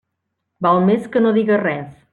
Val més que no diga res.